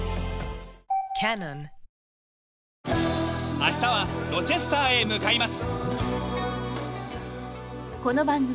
明日はロチェスターへ向かいます。